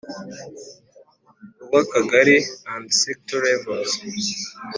urw Akagari and Sector levels